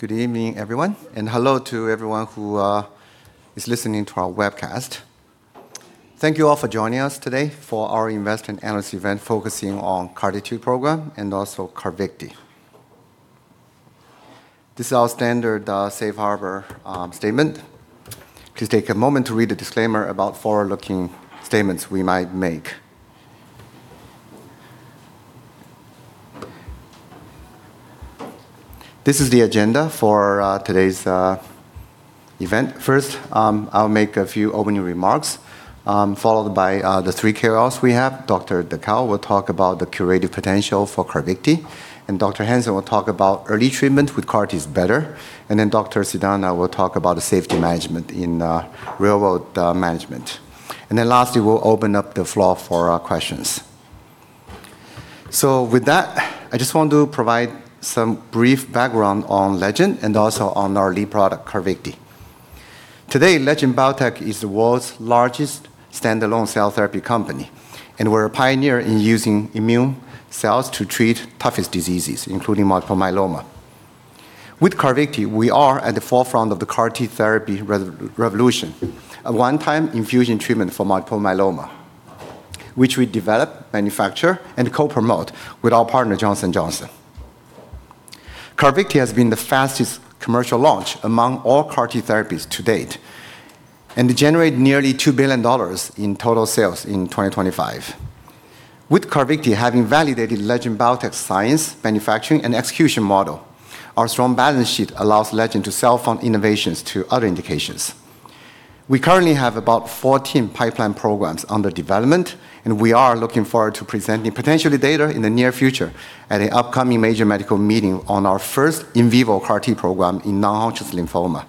Good evening, everyone, and hello to everyone who is listening to our webcast. Thank you all for joining us today for our investor and analyst event focusing on CARTITUDE program and also CARVYKTI. This is our standard safe harbor statement. Please take a moment to read the disclaimer about forward-looking statements we might make. This is the agenda for today's event. First, I'll make a few opening remarks, followed by the three KOLs we have. Dr. Dhakal will talk about the curative potential for CARVYKTI, and Dr. Hansen will talk about early treatment with CAR T is better, and then Dr. Sidana will talk about safety management in real-world management. Lastly, we'll open up the floor for questions. With that, I just want to provide some brief background on Legend and also on our lead product, CARVYKTI. Today, Legend Biotech is the world's largest standalone cell therapy company, and we're a pioneer in using immune cells to treat the toughest diseases, including multiple myeloma. With CARVYKTI, we are at the forefront of the CAR T therapy revolution, a one-time infusion treatment for multiple myeloma, which we develop, manufacture, and co-promote with our partner, Johnson & Johnson. CARVYKTI has been the fastest commercial launch among all CAR T therapies to date and generated nearly $2 billion in total sales in 2025. With CARVYKTI having validated Legend Biotech's science, manufacturing, and execution model, our strong balance sheet allows Legend to self-fund innovations to other indications. We currently have about 14 pipeline programs under development, and we are looking forward to presenting potential data in the near future at an upcoming major medical meeting on our first in vivo CAR T program in non-Hodgkin's lymphoma.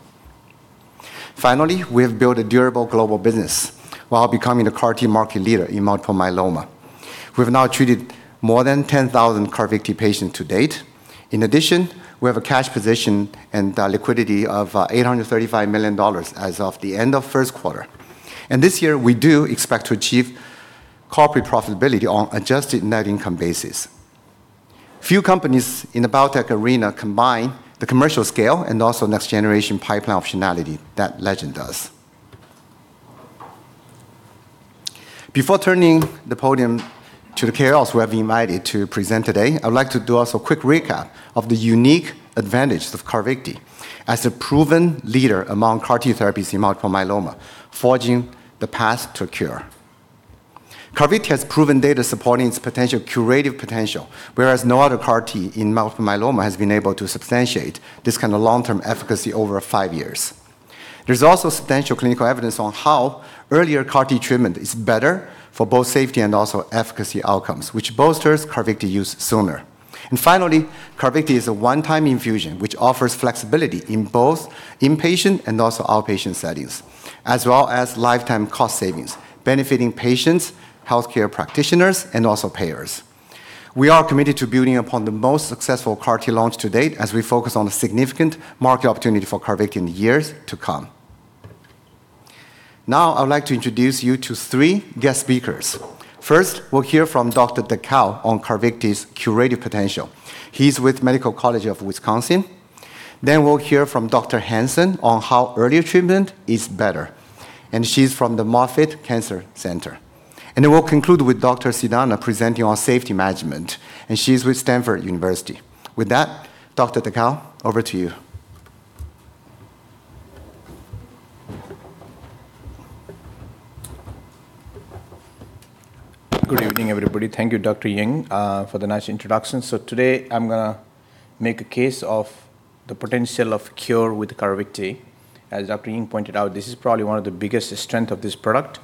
Finally, we have built a durable global business while becoming the CAR T market leader in multiple myeloma. We have now treated more than 10,000 CARVYKTI patients to date. We have a cash position and liquidity of $835 million as of the end of the first quarter. This year, we do expect to achieve corporate profitability on an adjusted net income basis. Few companies in the biotech arena combine the commercial scale and also next-generation pipeline optionality that Legend does. Before turning the podium to the KOLs we have invited to present today, I'd like to do also a quick recap of the unique advantage of CARVYKTI as a proven leader among CAR T therapies in multiple myeloma, forging the path to a cure. CARVYKTI has proven data supporting its curative potential, whereas no other CAR T in multiple myeloma has been able to substantiate this kind of long-term efficacy over five years. There's also substantial clinical evidence on how earlier CAR T treatment is better for both safety and also efficacy outcomes, which bolsters CARVYKTI use sooner. Finally, CARVYKTI is a one-time infusion, which offers flexibility in both inpatient and also outpatient settings, as well as lifetime cost savings, benefiting patients, healthcare practitioners, and also payers. We are committed to building upon the most successful CAR T launch to date as we focus on the significant market opportunity for CARVYKTI in the years to come. Now, I would like to introduce you to three guest speakers. First, we'll hear from Dr. Dhakal on CARVYKTI's curative potential. He's with the Medical College of Wisconsin. We'll hear from Dr. Hansen on how early treatment is better. She's from the Moffitt Cancer Center. Then we'll conclude with Dr. Sidana presenting on safety management. She's with Stanford University. With that, Dr. Dhakal, over to you. Good evening, everybody. Thank you, Dr. Ying, for the nice introduction. Today, I'm going to make a case of the potential of a cure with CARVYKTI. As Dr. Ying pointed out, this is probably one of the biggest strengths of this product.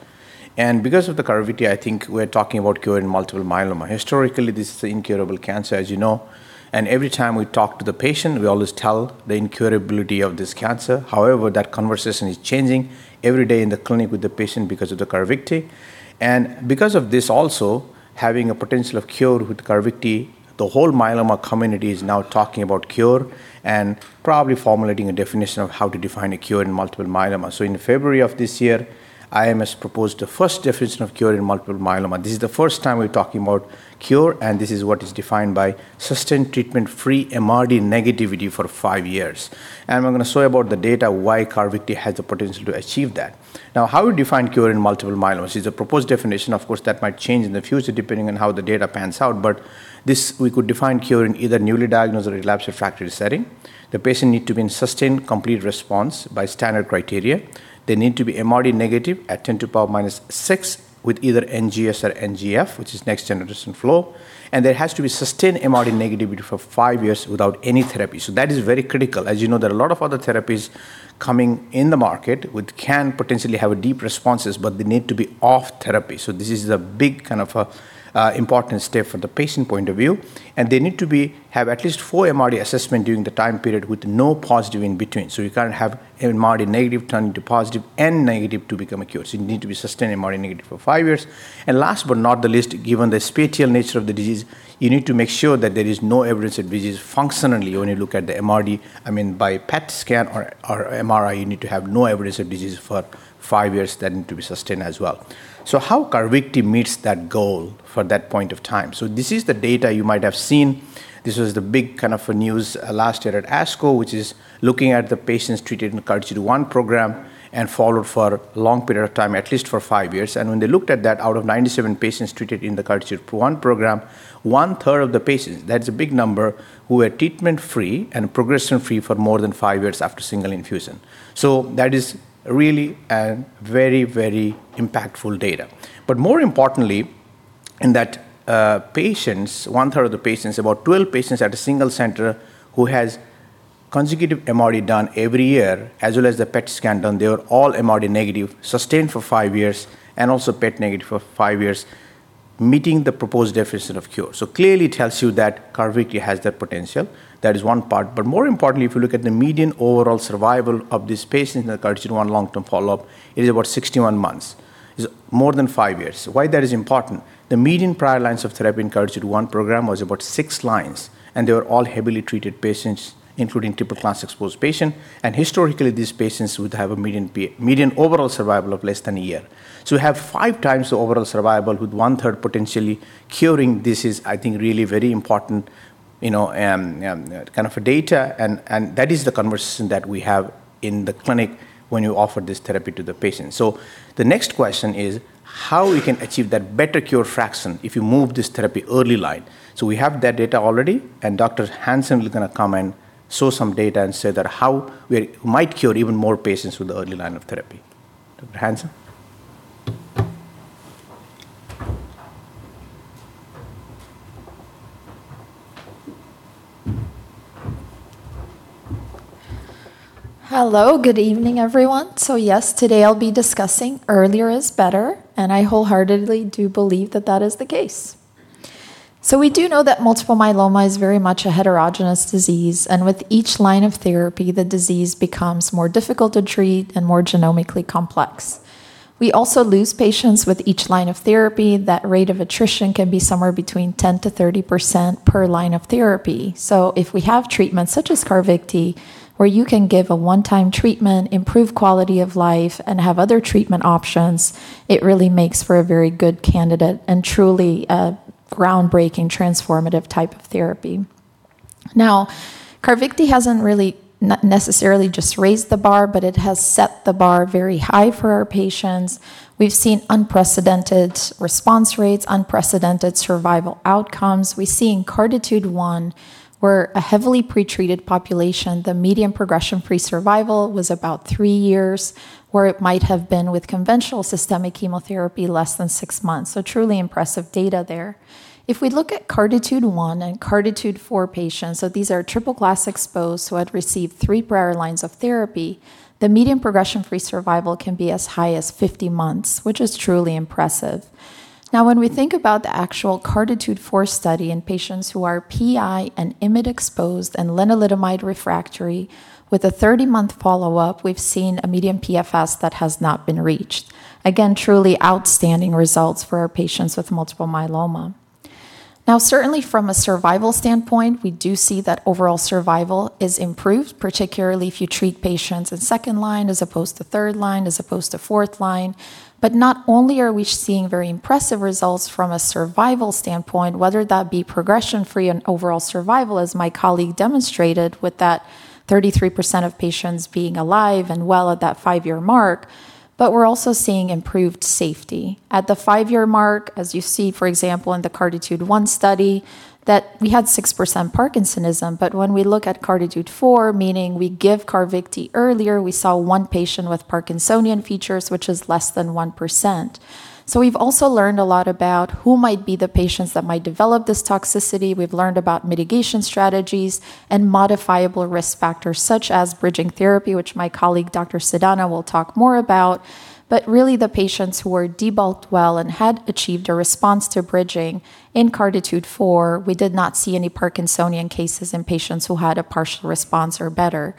Because of the CARVYKTI, I think we're talking about curing multiple myeloma. Historically, this is an incurable cancer, as you know, and every time we talk to the patient, we always tell the incurability of this cancer. However, that conversation is changing every day in the clinic with the patient because of the CARVYKTI. Because of this also, having a potential cure with CARVYKTI, the whole myeloma community is now talking about cure and probably formulating a definition of how to define a cure in multiple myeloma. In February of this year, IMWG proposed the first definition of cure in multiple myeloma. This is the first time we're talking about cure, and this is what is defined by sustained treatment-free MRD negativity for five years. I'm going to show you the data on why CARVYKTI has the potential to achieve that. Now, how we define cure in multiple myeloma is a proposed definition. Of course, that might change in the future depending on how the data pans out, but we could define cure in either a newly diagnosed or relapsed/refractory setting. The patient needs to be in sustained complete response by standard criteria. They need to be MRD negative at 10 to power -6 with either NGS or NGF, which is next-generation flow, and there has to be sustained MRD negativity for five years without any therapy. That is very critical. As you know, there are a lot of other therapies coming in the market, which can potentially have deep responses, but they need to be off therapy. This is a big, important step from the patient point of view, and they need to have at least four MRD assessments during the time period with no positive in between. You can't have an MRD negative turning to positive and negative to become a cure. You need to be sustained MRD negative for five years. Last but not least, given the spatial nature of the disease, you need to make sure that there is no evidence of disease functionally when you look at the MRD. By PET scan or MRI, you need to have no evidence of disease for five years. That needs to be sustained as well. How CARVYKTI meets that goal for that point of time. This is the data you might have seen. This was the big news last year at ASCO, which is looking at the patients treated in the CARTITUDE-1 program and followed for a long period of time, at least for five years. When they looked at that, out of 97 patients treated in the CARTITUDE-1 program, one-third of the patients, that's a big number, who were treatment-free and progression-free for more than five years after a single infusion. More importantly, in that, one-third of the patients, about 12 patients at a single center who has consecutive MRD done every year, as well as the PET scan done, they were all MRD negative, sustained for five years, and also PET negative for five years, meeting the proposed definition of cure. Clearly tells you that CARVYKTI has that potential. That is one part. More importantly, if you look at the median overall survival of this patient in the CARTITUDE-1 long-term follow-up, it is about 61 months. It's more than five years. Why that is important, the median prior lines of therapy in CARTITUDE-1 program was about six lines, and they were all heavily treated patients, including triple-class exposed patient. Historically, these patients would have a median overall survival of less than a year. We have five times the overall survival with one-third potentially curing. This is, I think, really very important kind of data, and that is the conversation that we have in the clinic when you offer this therapy to the patient. The next question is how we can achieve that better cure fraction if you move this therapy early line. We have that data already, and Dr. Hansen is going to come and show some data and say that how we might cure even more patients with the early line of therapy. Dr. Hansen. Hello. Good evening, everyone. Yes, today I'll be discussing earlier is better, and I wholeheartedly do believe that that is the case. We do know that multiple myeloma is very much a heterogeneous disease, and with each line of therapy, the disease becomes more difficult to treat and more genomically complex. We also lose patients with each line of therapy. That rate of attrition can be somewhere between 10%-30% per line of therapy. If we have treatments such as CARVYKTI, where you can give a one-time treatment, improve quality of life, and have other treatment options, it really makes for a very good candidate and truly a groundbreaking transformative type of therapy. CARVYKTI hasn't really necessarily just raised the bar, but it has set the bar very high for our patients. We've seen unprecedented response rates, unprecedented survival outcomes. We see in CARTITUDE-1, where a heavily pretreated population, the median progression-free survival was about three years, where it might have been with conventional systemic chemotherapy less than six months. Truly impressive data there. If we look at CARTITUDE-1 and CARTITUDE-4 patients, these are triple-class exposed who had received three prior lines of therapy, the median progression-free survival can be as high as 50 months, which is truly impressive. When we think about the actual CARTITUDE-4 study in patients who are PI and IMiD exposed and lenalidomide refractory with a 30-month follow-up, we've seen a median PFS that has not been reached. Again, truly outstanding results for our patients with multiple myeloma. Certainly from a survival standpoint, we do see that overall survival is improved, particularly if you treat patients in second line as opposed to third line, as opposed to fourth line. Not only are we seeing very impressive results from a survival standpoint, whether that be progression-free and overall survival, as my colleague demonstrated with that 33% of patients being alive and well at that five-year mark, we're also seeing improved safety. At the five-year mark, as you see, for example, in the CARTITUDE-1 study, that we had 6% Parkinsonism. When we look at CARTITUDE-4, meaning we give CARVYKTI earlier, we saw one patient with Parkinsonian features, which is less than 1%. We've also learned a lot about who might be the patients that might develop this toxicity. We've learned about mitigation strategies and modifiable risk factors, such as bridging therapy, which my colleague Dr. Sidana will talk more about. Really the patients who were debulked well and had achieved a response to bridging in CARTITUDE-4, we did not see any Parkinsonian cases in patients who had a partial response or better.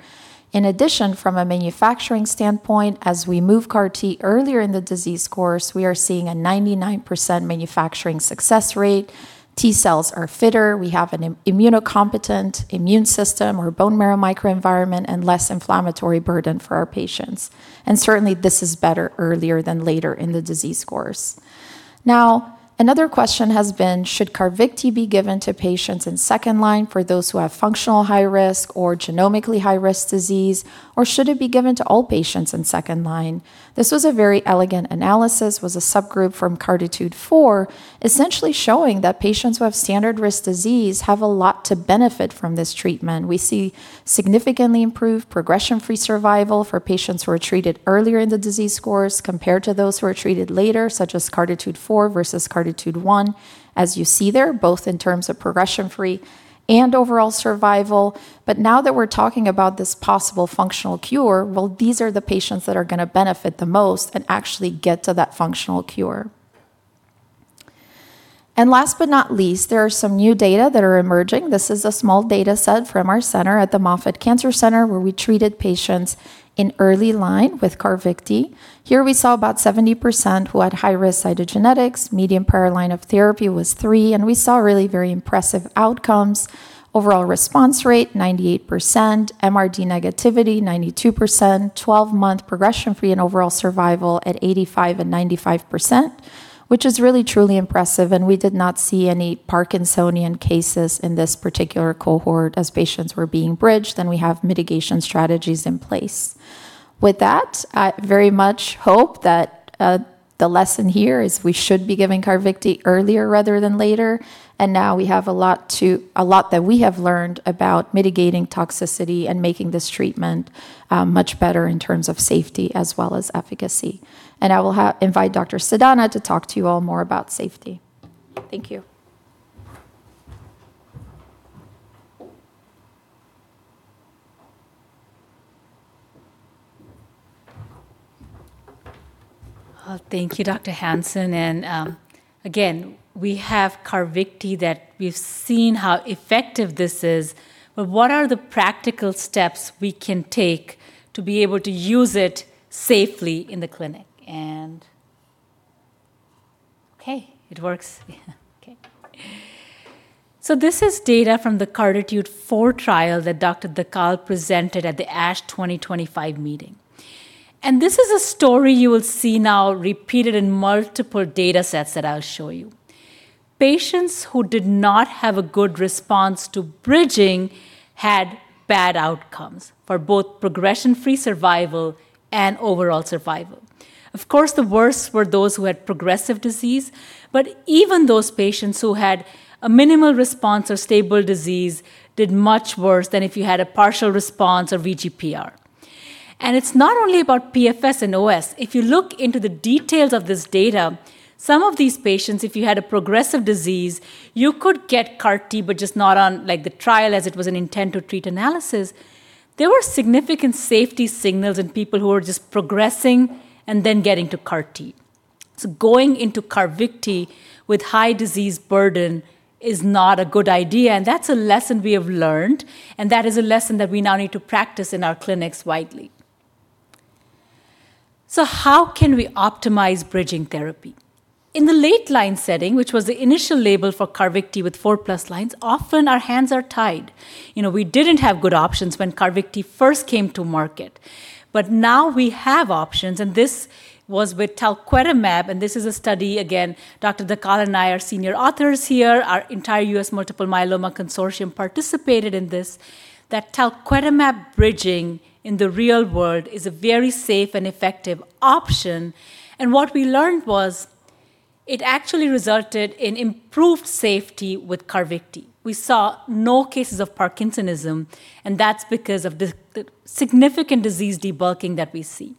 In addition, from a manufacturing standpoint, as we move CAR T earlier in the disease course, we are seeing a 99% manufacturing success rate. T cells are fitter. We have an immunocompetent immune system or bone marrow microenvironment and less inflammatory burden for our patients. Certainly, this is better earlier than later in the disease course. Now, another question has been, should CARVYKTI be given to patients in second line for those who have functional high risk or genomically high risk disease, or should it be given to all patients in second line? This was a very elegant analysis, was a subgroup from CARTITUDE-4, essentially showing that patients who have standard risk disease have a lot to benefit from this treatment. We see significantly improved progression-free survival for patients who are treated earlier in the disease course compared to those who are treated later, such as CARTITUDE-4 versus CARTITUDE-1, as you see there, both in terms of progression-free and overall survival. Now that we're talking about this possible functional cure, well, these are the patients that are going to benefit the most and actually get to that functional cure. Last but not least, there are some new data that are emerging. This is a small data set from our center at the Moffitt Cancer Center, where we treated patients in early line with CARVYKTI. Here we saw about 70% who had high-risk cytogenetics. Median prior line of therapy was three. We saw really very impressive outcomes. Overall response rate, 98%, MRD negativity, 92%, 12-month progression free and overall survival at 85% and 95%, which is really truly impressive. We did not see any parkinsonian cases in this particular cohort as patients were being bridged. We have mitigation strategies in place. With that, I very much hope that the lesson here is we should be giving CARVYKTI earlier rather than later. Now we have a lot that we have learned about mitigating toxicity and making this treatment much better in terms of safety as well as efficacy. I will invite Dr. Sidana to talk to you all more about safety. Thank you. Thank you, Dr. Hansen. Again, we have CARVYKTI that we've seen how effective this is. What are the practical steps we can take to be able to use it safely in the clinic? It works. This is data from the CARTITUDE-4 trial that Dr. Dhakal presented at the ASH 2025 meeting. This is a story you will see now repeated in multiple data sets that I'll show you. Patients who did not have a good response to bridging had bad outcomes for both progression-free survival and overall survival. Of course, the worst were those who had progressive disease, but even those patients who had a minimal response or stable disease did much worse than if you had a partial response or VGPR. It's not only about PFS and OS. If you look into the details of this data, some of these patients, if you had a progressive disease, you could get CAR T, but just not on the trial as it was an intent to treat analysis. There were significant safety signals in people who were just progressing and then getting to CAR T. Going into CARVYKTI with high disease burden is not a good idea, and that's a lesson we have learned, and that is a lesson that we now need to practice in our clinics widely. How can we optimize bridging therapy? In the late line setting, which was the initial label for CARVYKTI with four-plus lines, often our hands are tied. We didn't have good options when CARVYKTI first came to market. Now we have options. This was with talquetamab. This is a study, again, Dr. Dhakal and I are senior authors here. Our entire US Myeloma CAR T Consortium participated in this, that talquetamab bridging in the real world is a very safe and effective option. What we learned was it actually resulted in improved safety with CARVYKTI. We saw no cases of Parkinsonism. That's because of the significant disease debulking that we see.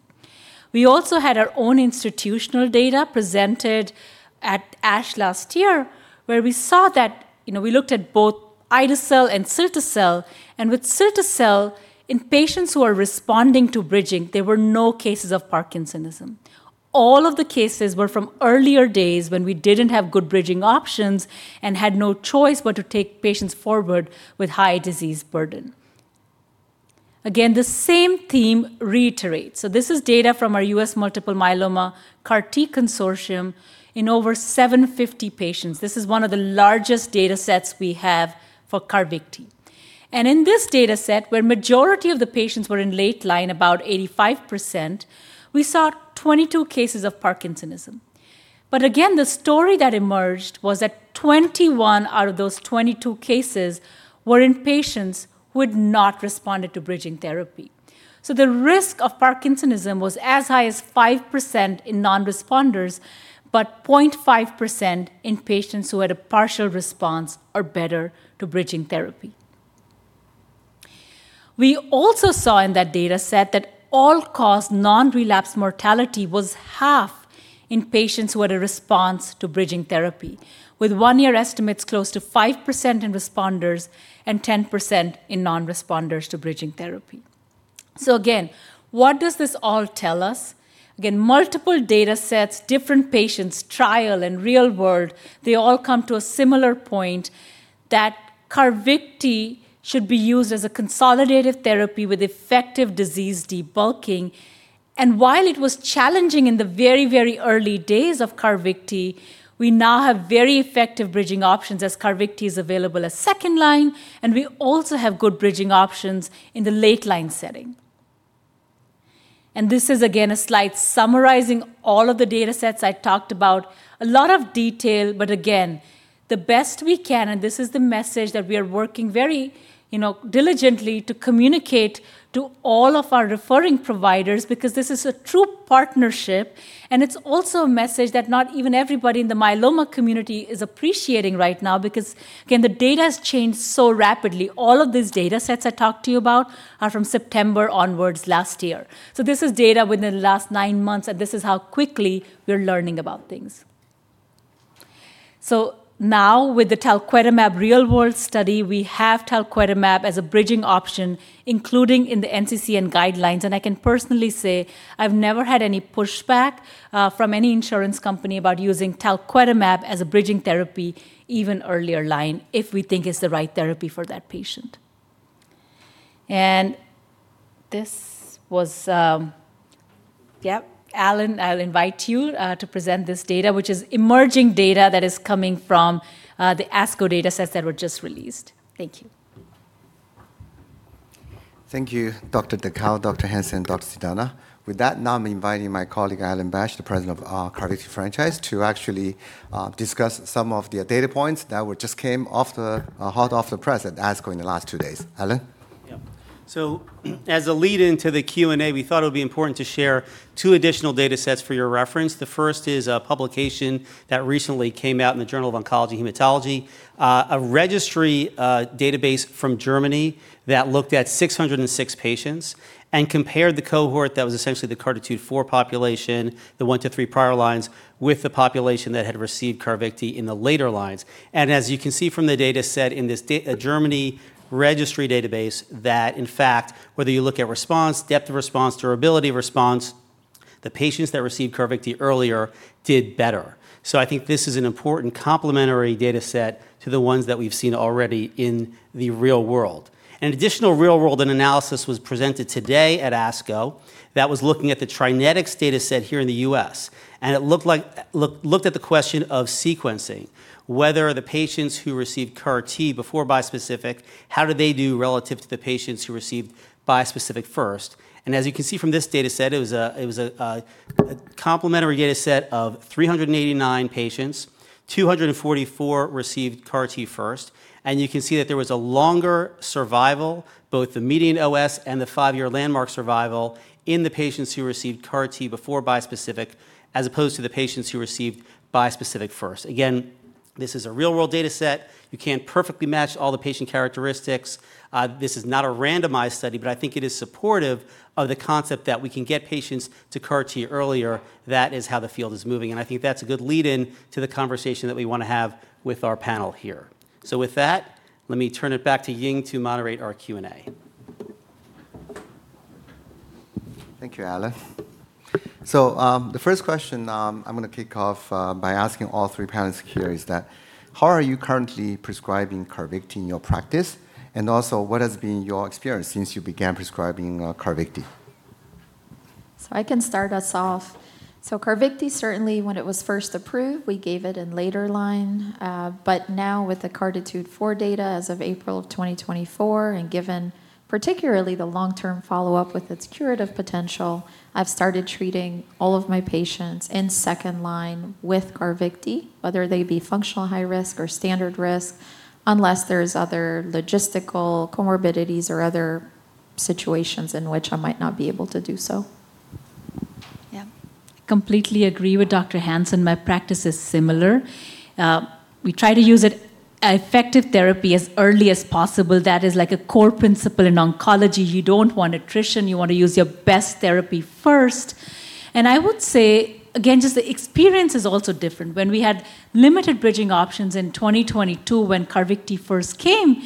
We also had our own institutional data presented at ASH last year, where we looked at both ide-cel and cilta-cel. With cilta-cel, in patients who were responding to bridging, there were no cases of Parkinsonism. All of the cases were from earlier days when we didn't have good bridging options and had no choice but to take patients forward with high disease burden. Again, the same theme reiterates. This is data from our U.S. Multiple Myeloma CAR T Consortium in over 750 patients. This is one of the largest data sets we have for CARVYKTI. In this data set, where majority of the patients were in late line, about 85%, we saw 22 cases of Parkinsonism. Again, the story that emerged was that 21 out of those 22 cases were in patients who had not responded to bridging therapy. The risk of Parkinsonism was as high as 5% in non-responders, but 0.5% in patients who had a partial response or better to bridging therapy. We also saw in that data set that all-cause non-relapse mortality was half in patients who had a response to bridging therapy, with one-year estimates close to 5% in responders and 10% in non-responders to bridging therapy. Again, what does this all tell us? Again, multiple data sets, different patients, trial, and real world, they all come to a similar point that CARVYKTI should be used as a consolidated therapy with effective disease debulking. While it was challenging in the very, very early days of CARVYKTI, we now have very effective bridging options as CARVYKTI is available as second-line, and we also have good bridging options in the late-line setting. This is again, a slide summarizing all of the data sets I talked about. A lot of detail, but again, the best we can. This is the message that we are working very diligently to communicate to all of our referring providers because this is a true partnership. It's also a message that not even everybody in the myeloma community is appreciating right now because, again, the data has changed so rapidly. All of these data sets I talked to you about are from September onwards last year. This is data within the last nine months, and this is how quickly we're learning about things. Now with the talquetamab real-world study, we have talquetamab as a bridging option, including in the NCCN guidelines. I can personally say I've never had any pushback from any insurance company about using talquetamab as a bridging therapy even earlier line if we think it's the right therapy for that patient. This was, yep. Alan, I will invite you to present this data, which is emerging data that is coming from the ASCO data sets that were just released. Thank you. Thank you, Dr. Dhakal, Dr. Hansen, Dr. Sidana. With that, now I'm inviting my colleague, Alan Bash, the President of our CARVYKTI franchise, to actually discuss some of the data points that just came hot off the press at ASCO in the last two days. Alan? As a lead-in to the Q&A, we thought it would be important to share two additional data sets for your reference. The first is a publication that recently came out in the Journal of Hematology & Oncology, a registry database from Germany that looked at 606 patients and compared the cohort that was essentially the CARTITUDE-4 population, the one to three prior lines, with the population that had received CARVYKTI in the later lines. As you can see from the data set in this Germany registry database that, in fact, whether you look at response, depth of response, durability of response. The patients that received CARVYKTI earlier did better. I think this is an important complementary data set to the ones that we've seen already in the real-world. An additional real-world data analysis was presented today at ASCO that was looking at the TriNetX data set here in the U.S., and it looked at the question of sequencing, whether the patients who received CAR T before bispecific, how do they do relative to the patients who received bispecific first? As you can see from this data set, it was a complementary data set of 389 patients. 244 received CAR T first. You can see that there was a longer survival, both the median OS and the five-year landmark survival in the patients who received CAR T before bispecific, as opposed to the patients who received bispecific first. Again, this is a real-world data set. You can't perfectly match all the patient characteristics. This is not a randomized study, but I think it is supportive of the concept that we can get patients to CAR T earlier. That is how the field is moving, and I think that's a good lead-in to the conversation that we want to have with our panel here. With that, let me turn it back to Ying to moderate our Q&A. Thank you, Alan. The first question I'm going to kick off by asking all three panelists here is that how are you currently prescribing CARVYKTI in your practice? Also, what has been your experience since you began prescribing CARVYKTI? I can start us off. CARVYKTI certainly when it was first approved, we gave it in later line. Now with the CARTITUDE-4 data as of April of 2024, and given particularly the long-term follow-up with its curative potential, I've started treating all of my patients in second line with CARVYKTI, whether they be functional high risk or standard risk, unless there's other logistical comorbidities or other situations in which I might not be able to do so. Completely agree with Dr. Hansen. My practice is similar. We try to use an effective therapy as early as possible. That is a core principle in oncology. You don't want attrition. You want to use your best therapy first. I would say, again, just the experience is also different. When we had limited bridging options in 2022, when CARVYKTI first came,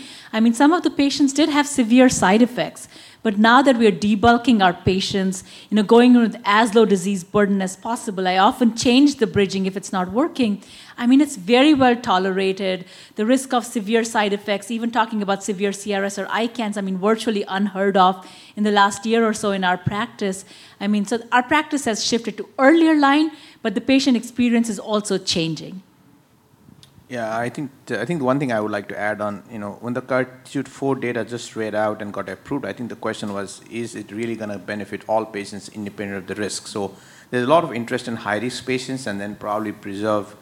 some of the patients did have severe side effects. Now that we're debulking our patients, going with as low disease burden as possible, I often change the bridging if it's not working. It's very well tolerated. The risk of severe side effects, even talking about severe CRS or ICANS, virtually unheard of in the last year or so in our practice. Our practice has shifted to earlier line, but the patient experience is also changing. Yeah, I think one thing I would like to add on. When the CARTITUDE-4 data just read out and got approved, I think the question was, "Is it really going to benefit all patients independent of the risk?" There's a lot of interest in high-risk patients and then probably preserve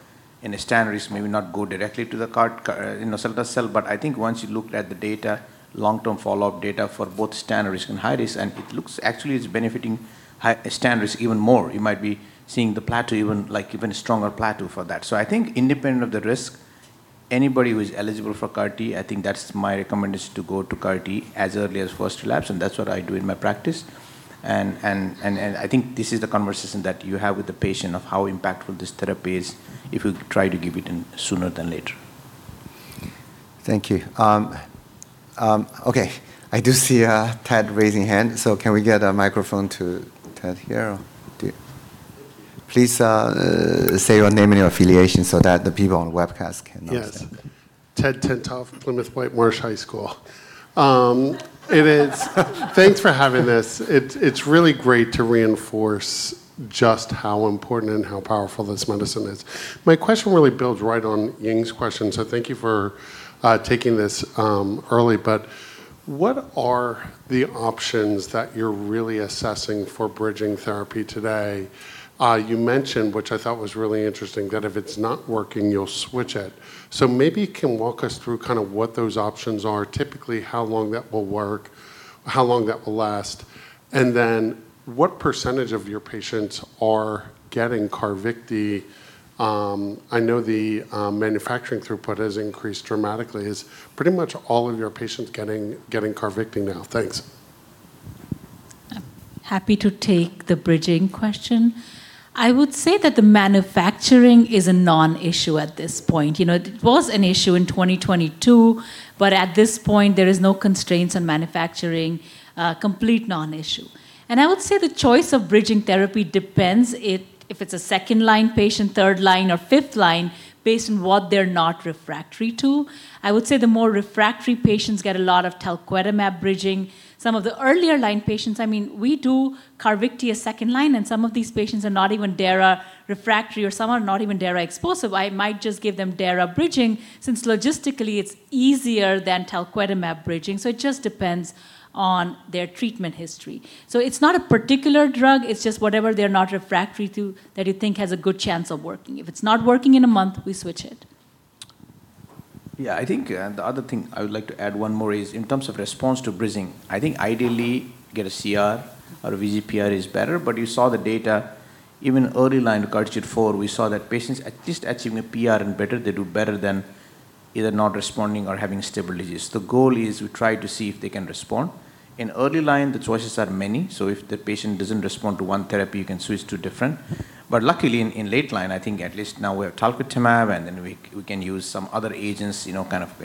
in a standard risk may not go directly to the cell, but I think once you looked at the data, long-term follow-up data for both standard risk and high risk, and it looks actually it's benefiting standard risk even more. You might be seeing the plateau, even a stronger plateau for that. I think independent of the risk, anybody who is eligible for CAR T, I think that's my recommendation to go to CAR T as early as first relapse, and that's what I do in my practice. I think this is the conversation that you have with the patient of how impactful this therapy is if you try to give it sooner than later. Thank you. Okay. I do see Ted raising hand. Can we get a microphone to Ted here? Please say your name and your affiliation so that the people on the webcast can know. Yes. Ted Tenthoff from Plymouth White Marsh High School. Thanks for having this. It's really great to reinforce just how important and how powerful this medicine is. My question really builds right on Ying's question. Thank you for taking this early. What are the options that you're really assessing for bridging therapy today? You mentioned, which I thought was really interesting, that if it's not working, you'll switch it. Maybe you can walk us through what those options are, typically how long that will work, how long that will last, and then what percentage of your patients are getting CARVYKTI? I know the manufacturing throughput has increased dramatically. Is pretty much all of your patients getting CARVYKTI now? Thanks. Happy to take the bridging question. I would say that the manufacturing is a non-issue at this point. It was an issue in 2022, at this point, there is no constraints on manufacturing. A complete non-issue. I would say the choice of bridging therapy depends if it's a second-line patient, third line, or fifth line, based on what they're not refractory to. I would say the more refractory patients get a lot of talquetamab bridging. Some of the earlier line patients, we do CARVYKTI as second line, and some of these patients are not even dara refractory, or some are not even dara exposed. I might just give them dara bridging since logistically it's easier than talquetamab bridging. It just depends on their treatment history. It's not a particular drug, it's just whatever they're not refractory to that you think has a good chance of working. If it's not working in a month, we switch it. Yeah, I think the other thing I would like to add one more is in terms of response to bridging, I think ideally get a CR or a VGPR is better. You saw the data even early line CARTITUDE-4, we saw that patients at least achieving PR and better, they do better than either not responding or having stable disease. The goal is we try to see if they can respond. In early line, the choices are many, so if the patient doesn't respond to one therapy, you can switch to different. Luckily in late line, I think at least now we have talquetamab, and then we can use some other agents in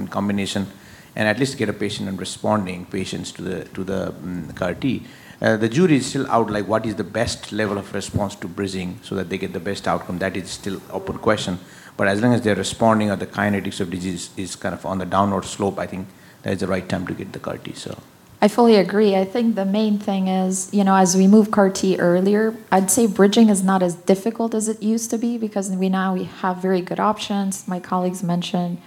combination and at least get a patient and responding patients to the CAR T. The jury is still out, what is the best level of response to bridging so that they get the best outcome? That is still open question, but as long as they're responding or the kinetics of disease is on the downward slope, I think that is the right time to get the CAR T. I fully agree. I think the main thing is, as we move CAR T earlier, I'd say bridging is not as difficult as it used to be because now we have very good options. My colleagues mentioned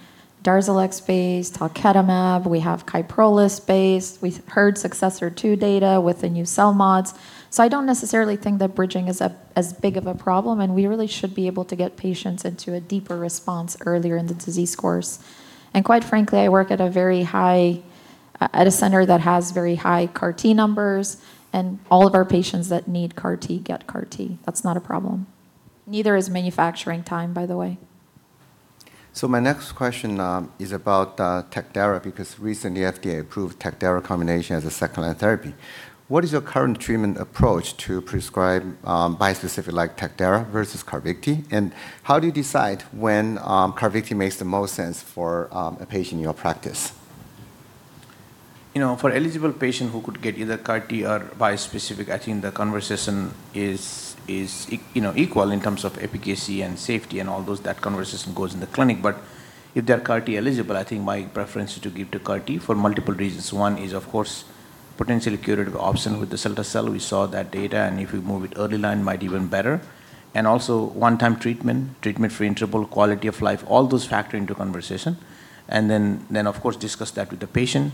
DARZALEX-based talquetamab. We have KYPROLIS based. We've heard SUCCESSOR-2 data with the new CELMoDs. I don't necessarily think that bridging is as big of a problem, and we really should be able to get patients into a deeper response earlier in the disease course. Quite frankly, I work at a center that has very high CAR T numbers, and all of our patients that need CAR T get CAR T. That's not a problem. Neither is manufacturing time, by the way. My next question is about Tec-Dara, because recently FDA approved Tec-Dara combination as a second-line therapy. What is your current treatment approach to prescribe bispecific like Tec-Dara versus CARVYKTI? How do you decide when CARVYKTI makes the most sense for a patient in your practice? For eligible patient who could get either CAR T or bispecific, I think the conversation is equal in terms of efficacy and safety and all those. That conversation goes in the clinic. If they're CAR T eligible, I think my preference is to give to CAR T for multiple reasons. One is, of course, potentially curative option with the cilta-cel. We saw that data, if we move it early line might even better. Also one-time treatment for improve quality of life, all those factor into conversation. Of course, discuss that with the patient,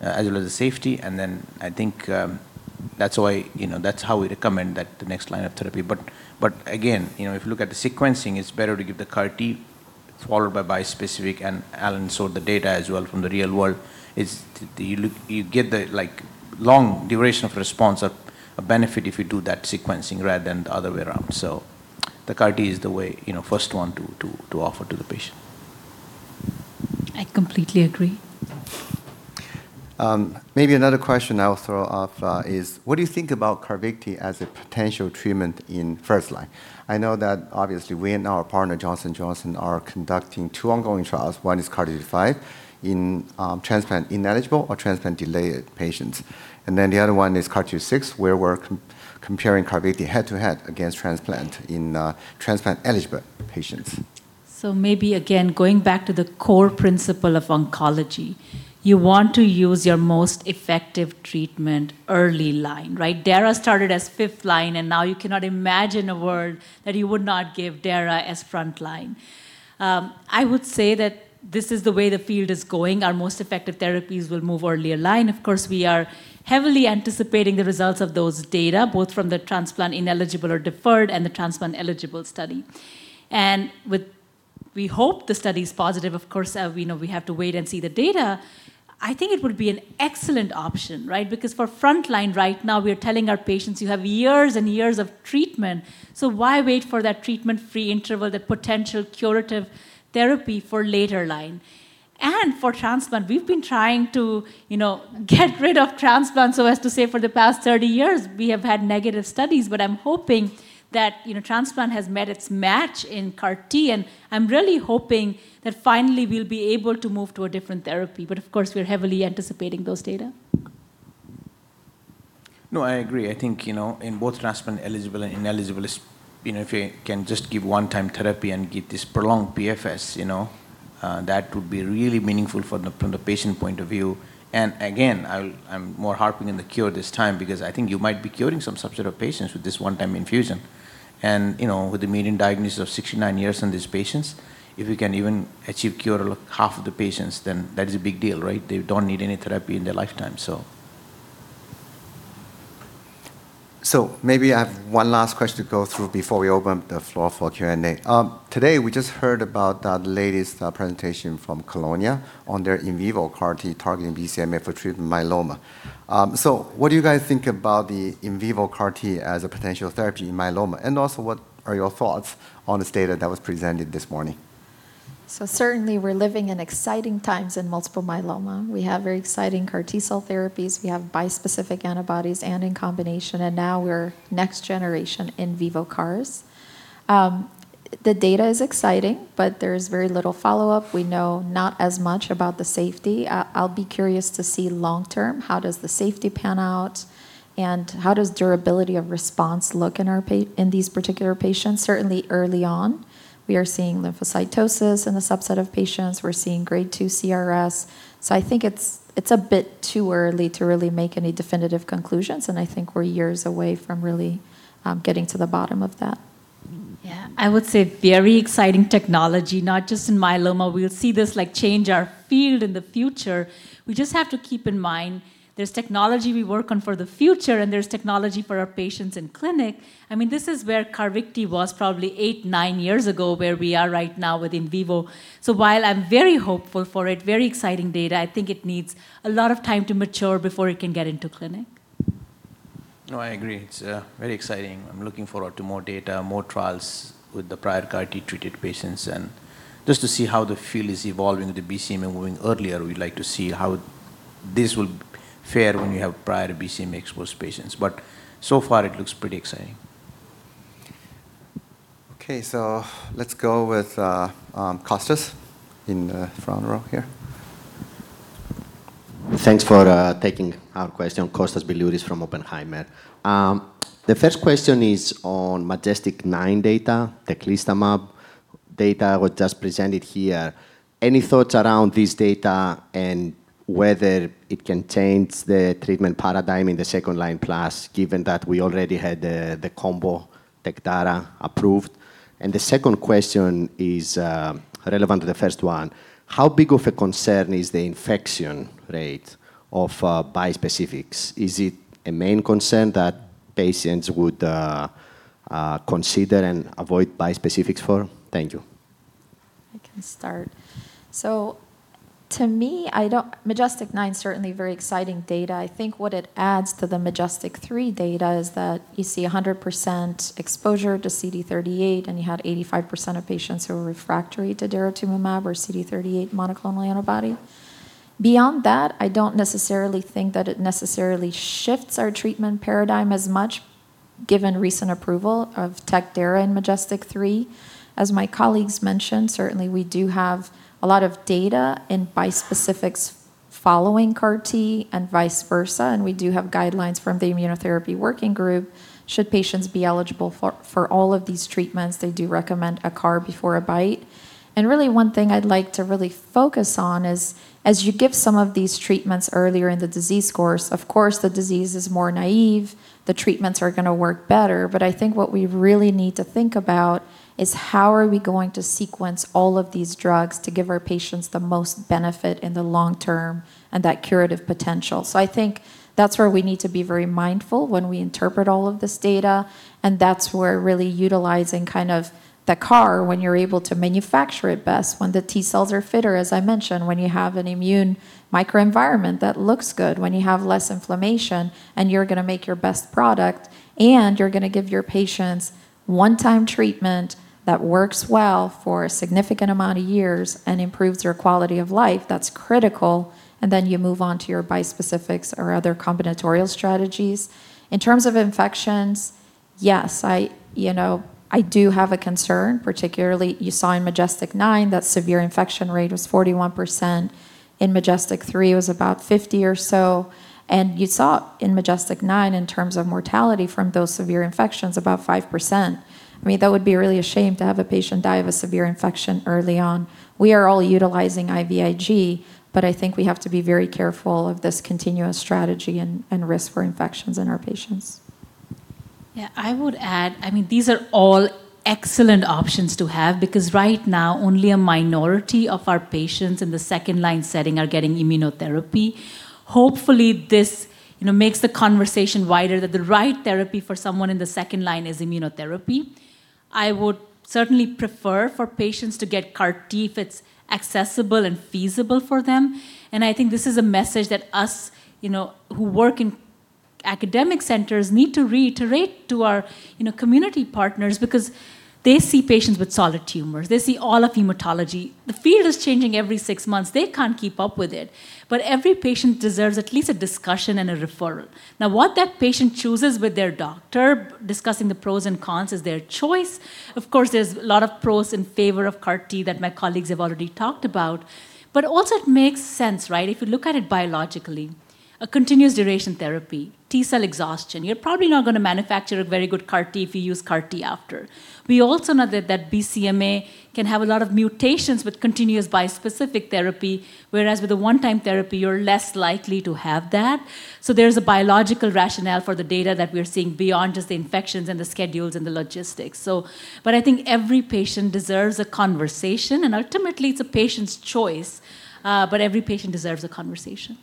as well as the safety. I think that's how we recommend that the next line of therapy. Again, if you look at the sequencing, it's better to give the CAR T followed by bispecific, Alan saw the data as well from the real world. You get the long duration of response, a benefit if you do that sequencing rather than the other way around. The CAR T is the way, first one to offer to the patient. I completely agree. Maybe another question I'll throw off is, what do you think about CARVYKTI as a potential treatment in first line? I know that obviously we and our partner Johnson & Johnson are conducting two ongoing trials. One is CARTITUDE-5 in transplant ineligible or transplant delayed patients. The other one is CARTITUDE-6, where we're comparing CARVYKTI head-to-head against transplant in transplant eligible patients. Maybe again, going back to the core principle of oncology, you want to use your most effective treatment early line. dara started as fifth line, and now you cannot imagine a world that you would not give dara as front line. I would say that this is the way the field is going. Our most effective therapies will move earlier line. We are heavily anticipating the results of those data, both from the transplant ineligible or deferred and the transplant eligible study. We hope the study is positive. We know we have to wait and see the data. I think it would be an excellent option. For front line right now, we're telling our patients, "You have years and years of treatment." Why wait for that treatment-free interval, that potential curative therapy for later line? For transplant, we've been trying to get rid of transplant so as to say for the past 30 years, we have had negative studies. I'm hoping that transplant has met its match in CAR T. I'm really hoping that finally we'll be able to move to a different therapy. Of course, we're heavily anticipating those data. No, I agree. I think in both transplant eligible and ineligible, if you can just give one-time therapy and get this prolonged PFS, that would be really meaningful from the patient point of view. Again, I'm more harping in the cure this time because I think you might be curing some subset of patients with this one-time infusion. With the median diagnosis of 69 years in these patients, if we can even achieve cure half of the patients, then that is a big deal. They don't need any therapy in their lifetime. Maybe I have one last question to go through before we open the floor for Q&A? Today we just heard about the latest presentation from Kelonia Therapeutics on their in vivo CAR T targeting BCMA for treatment myeloma. What do you guys think about the in vivo CAR T as a potential therapy in myeloma? Also, what are your thoughts on this data that was presented this morning? Certainly we're living in exciting times in multiple myeloma. We have very exciting CAR T-cell therapies. We have bispecific antibodies and in combination, and now we're next generation in vivo CARs. The data is exciting, but there is very little follow-up. We know not as much about the safety. I'll be curious to see long term, how does the safety pan out and how does durability of response look in these particular patients? Certainly early on we are seeing lymphocytosis in the subset of patients. We're seeing grade 2 CRS. I think it's a bit too early to really make any definitive conclusions, and I think we're years away from really getting to the bottom of that. Yeah, I would say very exciting technology, not just in myeloma. We'll see this change our field in the future. We just have to keep in mind there's technology we work on for the future, and there's technology for our patients in clinic. This is where CARVYKTI was probably eight, nine years ago, where we are right now with in vivo. While I'm very hopeful for it, very exciting data, I think it needs a lot of time to mature before it can get into clinic. No, I agree. It's very exciting. I'm looking forward to more data, more trials with the prior CAR T-treated patients, and just to see how the field is evolving with the BCMA moving earlier. We'd like to see how this will fare when you have prior BCMA-exposed patients. So far it looks pretty exciting. Okay, let's go with Kostas in the front row here. Thanks for taking our question. Kostas Biliouris from Oppenheimer. The first question is on MajesTEC-9 data, teclistamab data was just presented here. Any thoughts around this data and whether it can change the treatment paradigm in the second-line plus, given that we already had the combo tec data approved? The second question is relevant to the first one. How big of a concern is the infection rate of bispecifics? Is it a main concern that patients would consider and avoid bispecifics for? Thank you. I can start. To me, MajesTEC-9 is certainly very exciting data. I think what it adds to the MajesTEC-3 data is that you see 100% exposure to CD38, and you had 85% of patients who were refractory to daratumumab or CD38 monoclonal antibody. Beyond that, I don't necessarily think that it necessarily shifts our treatment paradigm as much given recent approval of Tec-Dara in MajesTEC-3. As my colleagues mentioned, certainly we do have a lot of data in bispecifics following CAR T and vice versa, and we do have guidelines from the Immunotherapy Working Group should patients be eligible for all of these treatments. They do recommend a CAR before a Bi. Really one thing I'd like to really focus on is as you give some of these treatments earlier in the disease course. Of course, the disease is more naive, the treatments are going to work better. I think what we really need to think about is how are we going to sequence all of these drugs to give our patients the most benefit in the long term and that curative potential. I think that's where we need to be very mindful when we interpret all of this data, and that's where really utilizing the CAR T when you're able to manufacture it best when the T cells are fitter, as I mentioned, when you have an immune microenvironment that looks good, when you have less inflammation, and you're going to make your best product, and you're going to give your patients one-time treatment that works well for a significant amount of years and improves their quality of life, that's critical. Then you move on to your bispecifics or other combinatorial strategies. In terms of infections, yes, I do have a concern, particularly you saw in MajesTEC-9 that severe infection rate was 41%, in MajesTEC-3 it was about 50 or so. You saw in MajesTEC-9 in terms of mortality from those severe infections, about 5%. That would be really a shame to have a patient die of a severe infection early on. We are all utilizing IVIG, I think we have to be very careful of this continuous strategy and risk for infections in our patients. Yeah, I would add, these are all excellent options to have because right now only a minority of our patients in the second-line setting are getting immunotherapy. Hopefully this makes the conversation wider that the right therapy for someone in the second line is immunotherapy. I would certainly prefer for patients to get CAR T if it's accessible and feasible for them. I think this is a message that us who work in academic centers need to reiterate to our community partners because they see patients with solid tumors. They see all of hematology. The field is changing every six months. They can't keep up with it. Every patient deserves at least a discussion and a referral. Now, what that patient chooses with their doctor, discussing the pros and cons is their choice. There's a lot of pros in favor of CAR T that my colleagues have already talked about. Also it makes sense, right? If you look at it biologically, a continuous duration therapy, T cell exhaustion, you're probably not going to manufacture a very good CAR T if you use CAR T after. We also know that BCMA can have a lot of mutations with continuous bispecific therapy, whereas with a one-time therapy, you're less likely to have that. There's a biological rationale for the data that we're seeing beyond just the infections and the schedules and the logistics. I think every patient deserves a conversation, and ultimately it's a patient's choice. Every patient deserves a conversation.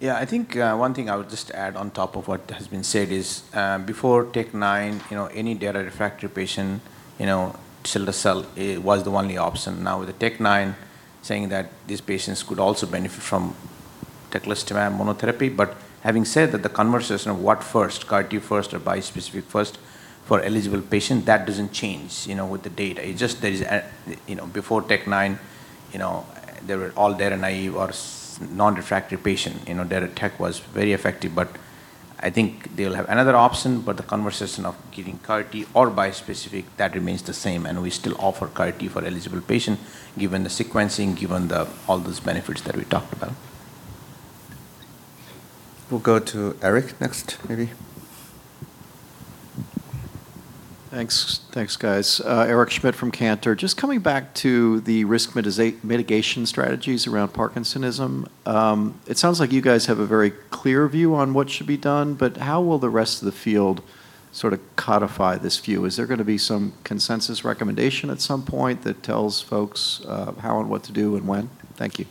Yeah, I think one thing I would just add on top of what has been said is before TEC-9, any dara refractory patient, cilta-cel was the only option. Now with the TEC-9 saying that these patients could also benefit from teclistamab monotherapy. Having said that, the conversation of what first, CAR T first or bispecific first for eligible patient, that doesn't change with the data. Before TEC-9 they were all dara naive or non-refractory patient. Tec-Dara was very effective, but I think they'll have another option, but the conversation of giving CAR T or bispecific, that remains the same, and we still offer CAR T for eligible patient given the sequencing, given all those benefits that we talked about. We'll go to Eric next, maybe. Thanks guys. Eric Schmidt from Cantor. Coming back to the risk mitigation strategies around Parkinsonism. It sounds like you guys have a very clear view on what should be done, how will the rest of the field sort of codify this view? Is there going to be some consensus recommendation at some point that tells folks how and what to do and when? Thank you.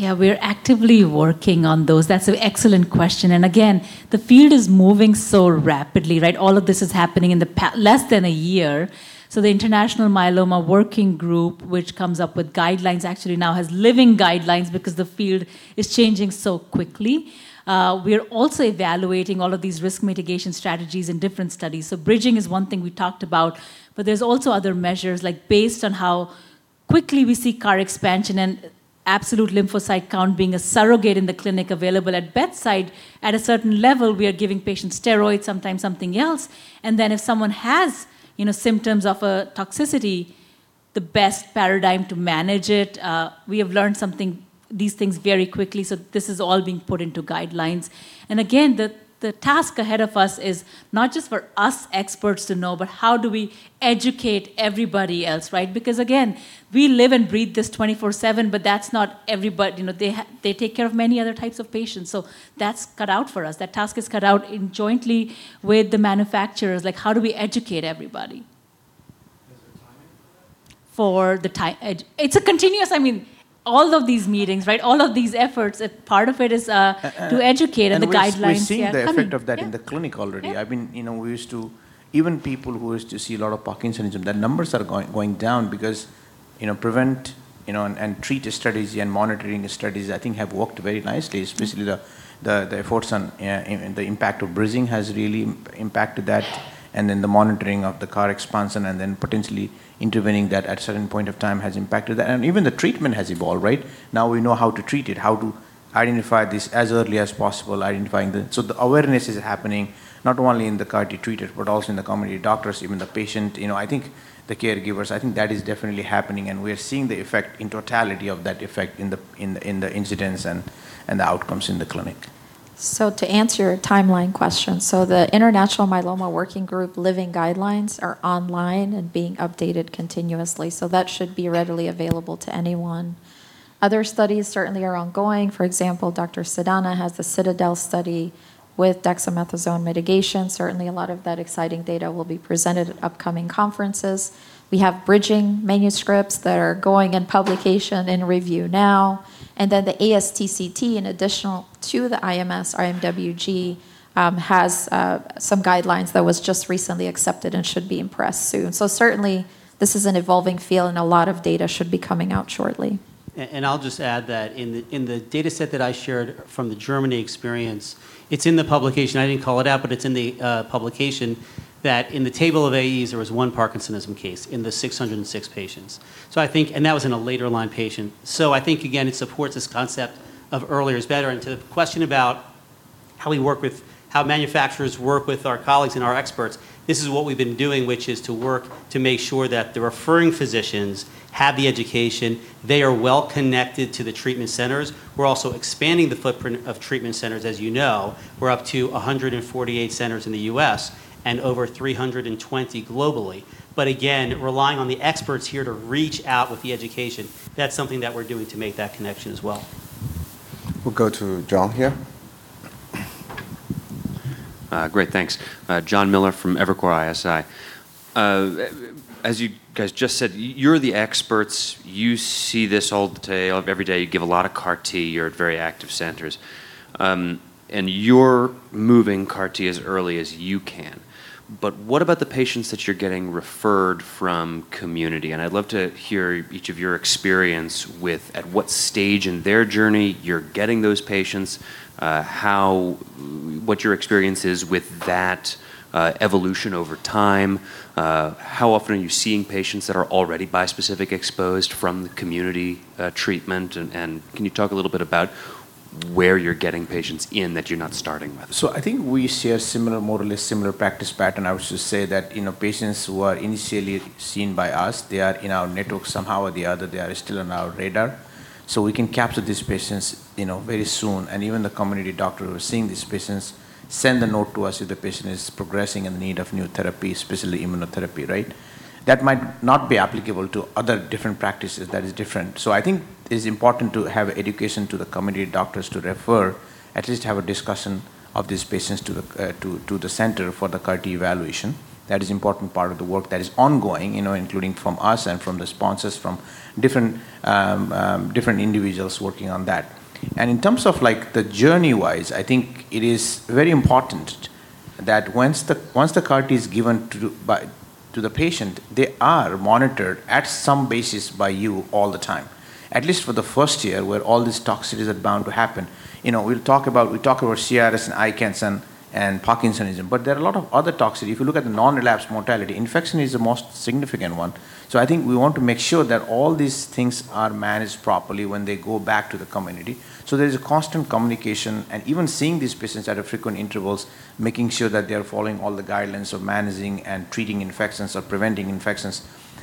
Yeah, we're actively working on those. That's an excellent question. Again, the field is moving so rapidly, right? All of this is happening in less than one year. The International Myeloma Working Group, which comes up with guidelines, actually now has living guidelines because the field is changing so quickly. We're also evaluating all of these risk mitigation strategies in different studies. Bridging is one thing we talked about, but there's also other measures based on how quickly we see CAR expansion and absolute lymphocyte count being a surrogate in the clinic available at bedside. At a certain level, we are giving patients steroids, sometimes something else. If someone has symptoms of a toxicity, the best paradigm to manage it. We have learned these things very quickly, so this is all being put into guidelines. Again, the task ahead of us is not just for us experts to know, but how do we educate everybody else, right? Again, we live and breathe this 24/7, but that's not everybody. They take care of many other types of patients. That's cut out for us. That task is cut out jointly with the manufacturers, like how do we educate everybody? Is there a timeline for that? I mean, all of these meetings, right, all of these efforts, part of it is to educate, the guidelines, they are coming. Yeah. We're seeing the effect of that in the clinic already. Even people who used to see a lot of Parkinsonism, the numbers are going down because prevent and treat strategy and monitoring strategies, I think have worked very nicely. Especially the efforts on the impact of bridging has really impacted that, the monitoring of the CAR expansion potentially intervening that at a certain point of time has impacted that. Even the treatment has evolved, right? Now we know how to treat it, how to identify this as early as possible. The awareness is happening not only in the CAR T treated, but also in the community doctors, even the patient. I think the caregivers, I think that is definitely happening, we are seeing the effect in totality of that effect in the incidence and the outcomes in the clinic. To answer your timeline question. The International Myeloma Working Group living guidelines are online and being updated continuously. That should be readily available to anyone. Other studies certainly are ongoing. For example, Dr. Sidana has the cilta-cel study with dexamethasone mitigation. Certainly, a lot of that exciting data will be presented at upcoming conferences. We have bridging manuscripts that are going in publication and review now. The ASTCT, in additional to the IMS IMWG, has some guidelines that was just recently accepted and should be in press soon. Certainly, this is an evolving field, and a lot of data should be coming out shortly. I'll just add that in the data set that I shared from the Germany experience, it's in the publication. I didn't call it out, it's in the publication that in the table of AEs, there was one Parkinsonism case in the 606 patients. That was in a later line patient. I think, again, it supports this concept of earlier is better. To the question about how manufacturers work with our colleagues and our experts, this is what we've been doing, which is to work to make sure that the referring physicians have the education. They are well connected to the treatment centers. We're also expanding the footprint of treatment centers as you know. We're up to 148 centers in the U.S. and over 320 globally. Again, relying on the experts here to reach out with the education, that's something that we're doing to make that connection as well. We'll go to Jon here. Great. Thanks. Jon Miller from Evercore ISI. As you guys just said, you're the experts. You see this every day. You give a lot of CAR T. You're at very active centers. You're moving CAR T as early as you can. What about the patients that you're getting referred from community? I'd love to hear each of your experience with at what stage in their journey you're getting those patients, what your experience is with that evolution over time. How often are you seeing patients that are already bispecific exposed from the community treatment, and can you talk a little bit about where you're getting patients in that you're not starting with? I think we share more or less similar practice pattern. I would just say that patients who are initially seen by us, they are in our network somehow or the other. They are still on our radar. We can capture these patients very soon. Even the community doctor who are seeing these patients send a note to us if the patient is progressing in need of new therapy, especially immunotherapy, right? That might not be applicable to other different practices that is different. I think it's important to have education to the community doctors to refer, at least have a discussion of these patients to the center for the CAR T evaluation. That is important part of the work that is ongoing, including from us and from the sponsors, from different individuals working on that. In terms of the journey wise, I think it is very important that once the CAR T is given to the patient, they are monitored at some basis by you all the time. At least for the 1st year, where all these toxicities are bound to happen. We talk about CRS and ICANS and Parkinsonism, but there are a lot of other toxicity. I think we want to make sure that all these things are managed properly when they go back to the community. There's a constant communication and even seeing these patients at frequent intervals, making sure that they're following all the guidelines of managing and treating infections or preventing infections.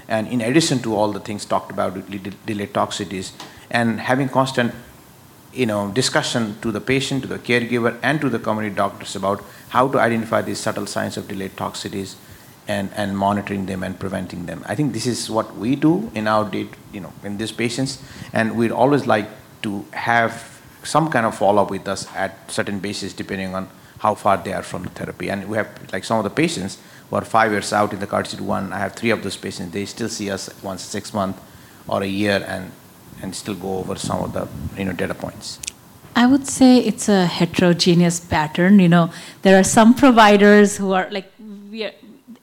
In addition to all the things talked about with delayed toxicities and having constant discussion to the patient, to the caregiver, and to the community doctors about how to identify these subtle signs of delayed toxicities and monitoring them and preventing them. I think this is what we do in our in these patients, and we'd always like to have some kind of follow-up with us at certain bases, depending on how far they are from the therapy. We have some of the patients who are five years out in the CARTITUDE-1. I have three of those patients. They still see us once a six month or a year and still go over some of the data points. I would say it's a heterogeneous pattern. There are some providers who are like,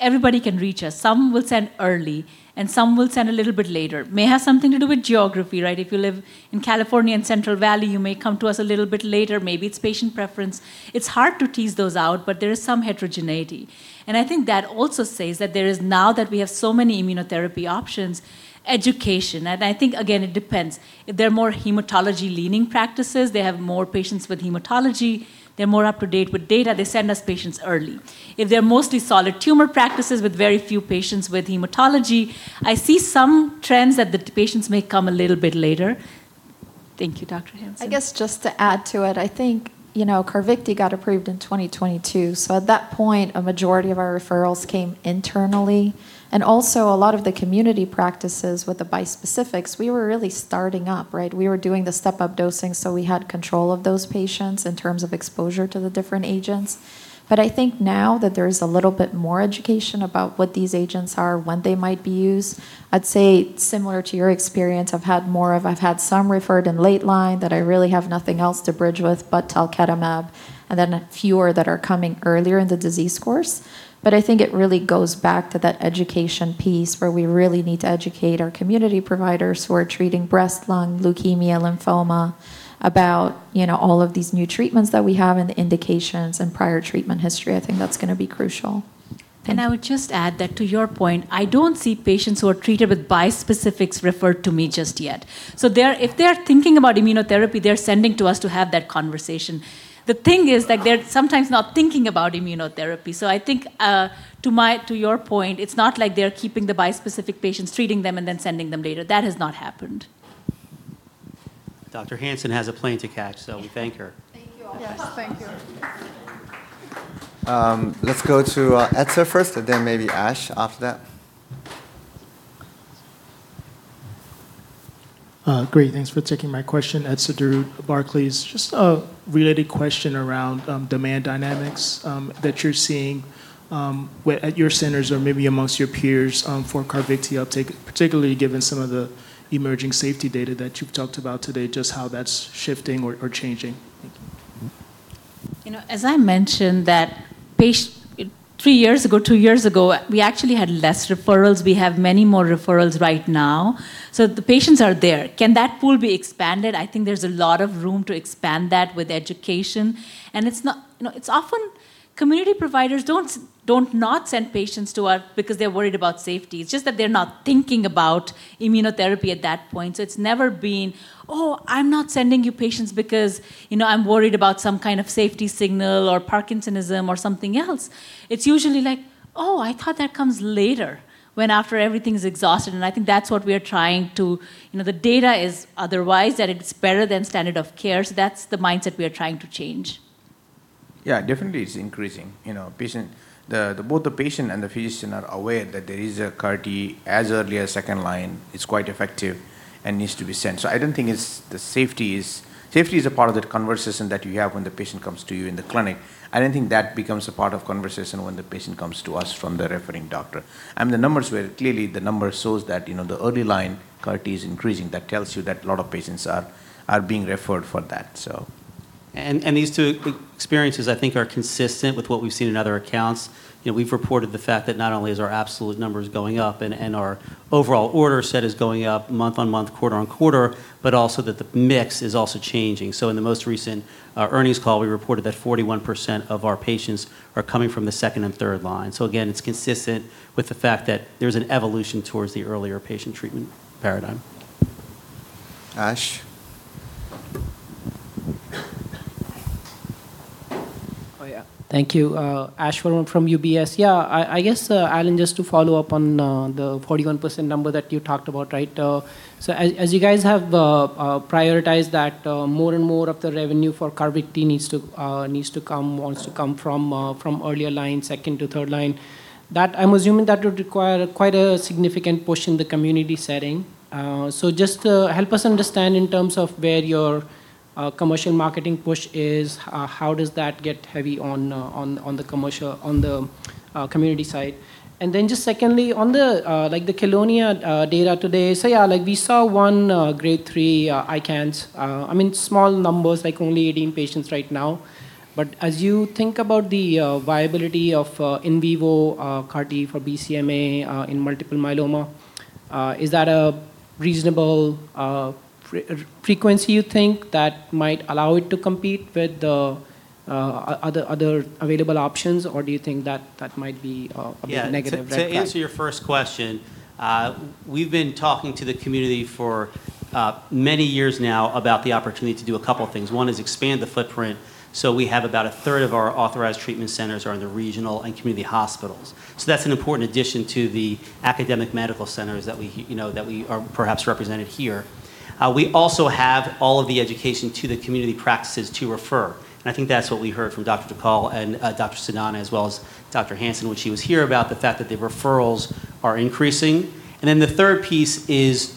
"Everybody can reach us." Some will send early and some will send a little bit later. May have something to do with geography, right? If you live in California and Central Valley, you may come to us a little bit later. Maybe it's patient preference. It's hard to tease those out, but there is some heterogeneity. I think that also says that there is, now that we have so many immunotherapy options, education. I think, again, it depends. If they're more hematology leaning practices, they have more patients with hematology, they're more up to date with data, they send us patients early. If they're mostly solid tumor practices with very few patients with hematology, I see some trends that the patients may come a little bit later. Thank you, Dr. Hansen. I guess just to add to it, I think CARVYKTI got approved in 2022. At that point, a majority of our referrals came internally and also a lot of the community practices with the bispecifics, we were really starting up, right? We were doing the step-up dosing, we had control of those patients in terms of exposure to the different agents. I think now that there is a little bit more education about what these agents are, when they might be used, I'd say similar to your experience, I've had some referred in late line that I really have nothing else to bridge with but talquetamab, and then a fewer that are coming earlier in the disease course. I think it really goes back to that education piece where we really need to educate our community providers who are treating breast, lung, leukemia, lymphoma, about all of these new treatments that we have and the indications and prior treatment history. I think that's going to be crucial. I would just add that to your point, I don't see patients who are treated with bispecifics referred to me just yet. If they're thinking about immunotherapy, they're sending to us to have that conversation. The thing is that they're sometimes not thinking about immunotherapy. I think, to your point, it's not like they're keeping the bispecific patients, treating them, and then sending them later. That has not happened. Dr. Hansen has a plane to catch, so we thank her. Thank you all. Yes. Thank you. Let's go to Etzer first, and then maybe Ash after that. Great. Thanks for taking my question. Etzer Darout, Barclays. Just a related question around demand dynamics that you're seeing at your centers or maybe amongst your peers for CARVYKTI, particularly given some of the emerging safety data that you've talked about today, just how that's shifting or changing. Thank you. As I mentioned, three years ago, two years ago, we actually had less referrals. We have many more referrals right now. The patients are there. Can that pool be expanded? I think there's a lot of room to expand that with education. It's often community providers don't not send patients to us because they're worried about safety. It's just that they're not thinking about immunotherapy at that point. It's never been, Oh, I'm not sending you patients because I'm worried about some kind of safety signal or Parkinsonism or something else. It's usually like, Oh, I thought that comes later, when after everything's exhausted. I think that's what we are trying to. The data is otherwise, that it's better than standard of care. That's the mindset we are trying to change. Yeah, definitely it's increasing. Both the patient and the physician are aware that there is a CAR T as early as second line. It's quite effective and needs to be sent. I don't think safety is a part of the conversation that you have when the patient comes to you in the clinic. I don't think that becomes a part of conversation when the patient comes to us from the referring doctor. The numbers clearly shows that the early line CAR T is increasing. That tells you that a lot of patients are being referred for that. These two experiences, I think, are consistent with what we've seen in other accounts. We've reported the fact that not only is our absolute numbers going up and our overall order set is going up month-on-month, quarter-on-quarter, but also that the mix is also changing. In the most recent earnings call, we reported that 41% of our patients are coming from the second and third line. Again, it's consistent with the fact that there's an evolution towards the earlier patient treatment paradigm. Ash. Oh, yeah. Thank you. Ash Verma from UBS. Yeah, I guess, Alan, just to follow up on the 41% number that you talked about, right? As you guys have prioritized that more and more of the revenue for CARVYKTI needs to come, wants to come from earlier line, second to third line, I'm assuming that would require quite a significant push in the community setting. Just to help us understand in terms of where your commercial marketing push is, how does that get heavy on the community side? Just secondly, on the Kelonia data today, yeah, we saw one grade 3 ICANS. Small numbers, only 18 patients right now. As you think about the viability of in vivo CAR T for BCMA in multiple myeloma, is that a reasonable frequency you think that might allow it to compete with other available options, or do you think that that might be a negative red flag? To answer your first question, we've been talking to the community for many years now about the opportunity to do a couple of things. One is expand the footprint. We have about a third of our authorized treatment centers are in the regional and community hospitals. That's an important addition to the academic medical centers that we are perhaps represented here. We also have all of the education to the community practices to refer. I think that's what we heard from Dr. Dhakal and Dr. Sidana as well as Dr. Hansen when she was here about the fact that the referrals are increasing. The third piece is,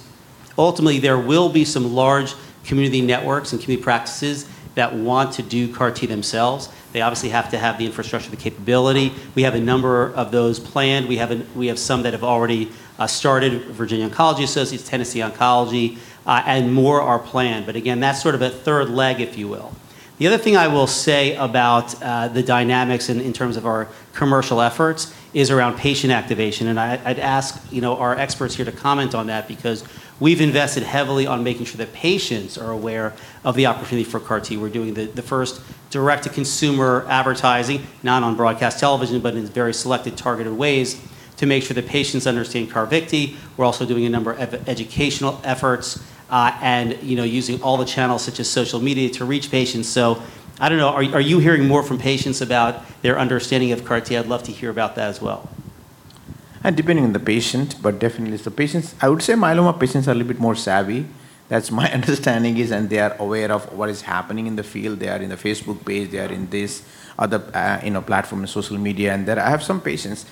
ultimately, there will be some large community networks and community practices that want to do CAR T themselves. They obviously have to have the infrastructure, the capability. We have a number of those planned. We have some that have already started, Virginia Oncology Associates, Tennessee Oncology, and more are planned. Again, that's sort of a third leg, if you will. The other thing I will say about the dynamics in terms of our commercial efforts is around patient activation. I'd ask our experts here to comment on that because we've invested heavily on making sure that patients are aware of the opportunity for CAR T. We're doing the first direct-to-consumer advertising, not on broadcast television, but in very selected, targeted ways to make sure that patients understand CARVYKTI. We're also doing a number of educational efforts, and using all the channels such as social media to reach patients. I don't know, are you hearing more from patients about their understanding of CAR T? I'd love to hear about that as well. Depending on the patient, definitely some patients. I would say myeloma patients are a little bit more savvy. That's my understanding, they are aware of what is happening in the field. They are in the Facebook page. They are in this other platform and social media. I have some patients,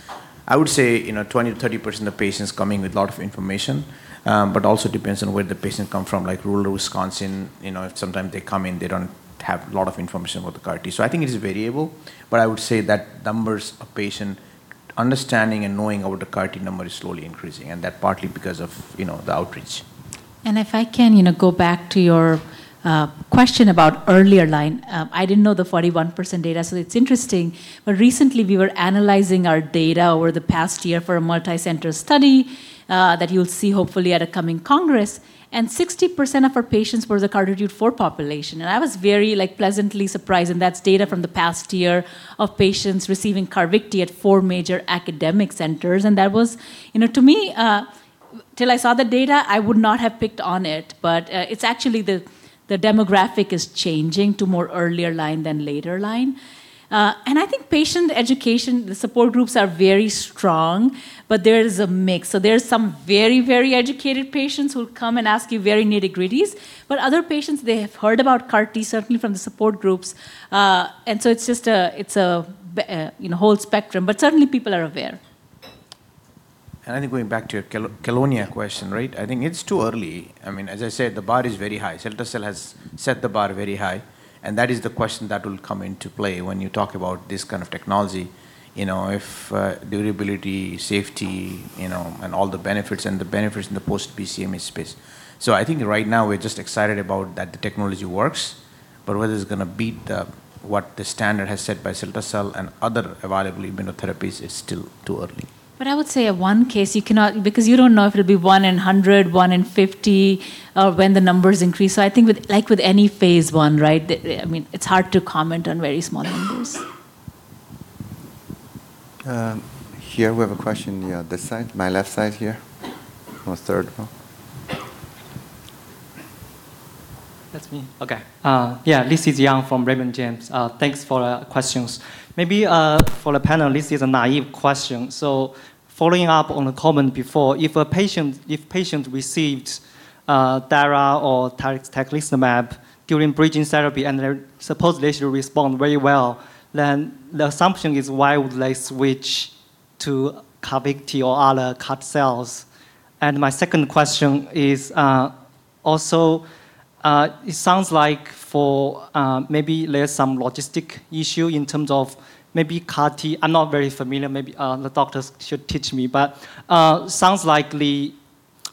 I would say 20%-30% of patients coming with a lot of information. Also depends on where the patient come from, like rural Wisconsin, sometimes they come in, they don't have a lot of information about the CAR T. I think it is variable, but I would say that numbers of patient understanding and knowing about the CAR T number is slowly increasing, and that partly because of the outreach. If I can go back to your question about earlier line. I didn't know the 41% data, so it's interesting. Recently, we were analyzing our data over the past year for a multi-center study that you'll see hopefully at a coming congress, and 60% of our patients were the CARTITUDE-4 population. I was very pleasantly surprised, and that's data from the past year of patients receiving CARVYKTI at four major academic centers. That was, to me, till I saw the data, I would not have picked on it. It's actually the demographic is changing to more earlier line than later line. I think patient education, the support groups are very strong, but there is a mix. There's some very educated patients who'll come and ask you very nitty-gritties, but other patients, they have heard about CAR T, certainly from the support groups. It's a whole spectrum, but certainly people are aware. I think going back to your Kelonia question. I think it's too early. As I said, the bar is very high. Cilta-cel has set the bar very high, and that is the question that will come into play when you talk about this kind of technology. If durability, safety, and all the benefits, and the benefits in the post-BCMA space. I think right now we're just excited about that the technology works, but whether it's going to beat what the standard has set by cilta-cel and other available immunotherapies is still too early. I would say one case you cannot, because you don't know if it'll be one in 100, one in 50, when the numbers increase. I think with any phase I, it's hard to comment on very small numbers. Here we have a question, this side. My left side here. The third one. That's me. Okay. Yeah, this is Yang from Raymond James. Thanks for the questions. Maybe for the panel, this is a naïve question. Following up on the comment before, if patient received dara or talquetamab during bridging therapy, and they supposedly should respond very well, then the assumption is why would they switch to CARVYKTI or other CAR cells? My second question is also, it sounds like for maybe there's some logistic issue in terms of maybe CAR T. I'm not very familiar, maybe the doctors should teach me. Sounds like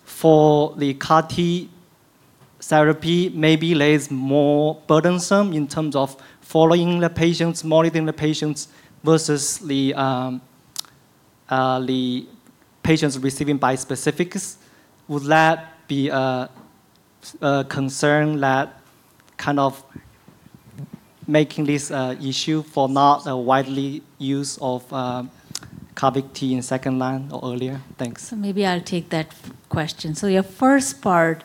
for the CAR T therapy, maybe it is more burdensome in terms of following the patients, monitoring the patients versus the patients receiving bispecifics. Would that be a concern that kind of making this issue for not a widely use of CARVYKTI in second line or earlier? Thanks. Maybe I'll take that question. Your first part,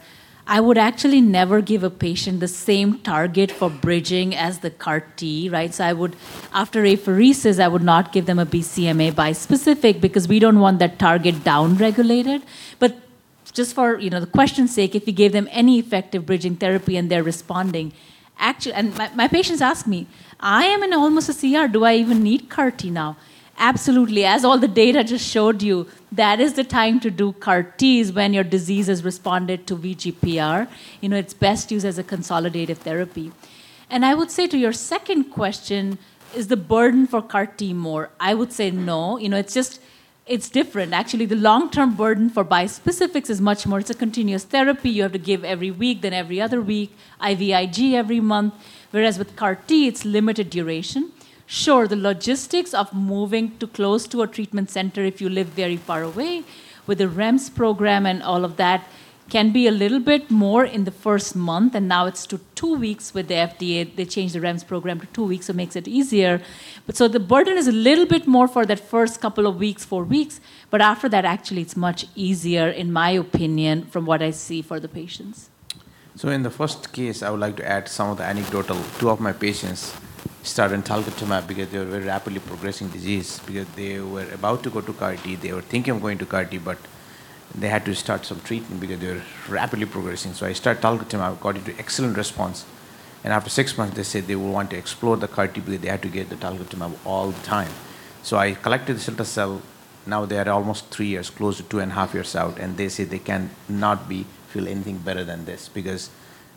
I would actually never give a patient the same target for bridging as the CAR T. After apheresis, I would not give them a BCMA bispecific because we don't want that target down-regulated. Just for the question's sake, if you give them any effective bridging therapy and they're responding. My patients ask me, "I am in almost a CR. Do I even need CAR T now?" Absolutely. As all the data just showed you, that is the time to do CAR T, is when your disease has responded to VGPR. It's best used as a consolidative therapy. I would say to your second question, is the burden for CAR T more? I would say no. It's different. Actually, the long-term burden for bispecifics is much more. It's a continuous therapy you have to give every week, then every other week, IVIG every month. With CAR T, it's limited duration. Sure, the logistics of moving close to a treatment center if you live very far away with the REMS program and all of that can be a little bit more in the first month, now it's to two weeks with the FDA. They changed the REMS program to two weeks, it makes it easier. The burden is a little bit more for that first couple of weeks, four weeks. After that, actually, it's much easier, in my opinion, from what I see for the patients. In the first case, I would like to add some of the anecdotal. Two of my patients started on talquetamab because they were very rapidly progressing disease. They were about to go to CAR T. They were thinking of going to CAR T, but they had to start some treatment because they were rapidly progressing. I started talquetamab, got into excellent response. After six months, they said they would want to explore the CAR T because they had to get the talquetamab all the time. I collected the cilta-cel. Now they are almost three years, close to two and a half years out, and they say they cannot feel anything better than this, because